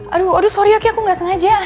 aduh aduh sorry ya ki aku gak sengaja